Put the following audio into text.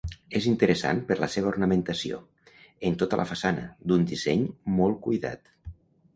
És interessant per la seva ornamentació, en tota la façana, d'un disseny molt cuidat.